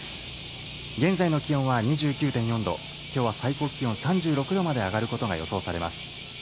現在の気温は２９．４度、きょうは最高気温３６度まで上がることが予想されます。